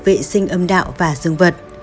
vệ sinh âm đạo và dương vật